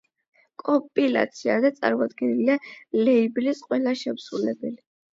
კომპილაციაზე წარმოდგენილია ლეიბლის ყველა შემსრულებელი.